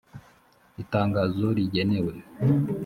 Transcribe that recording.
itangazo rigenewe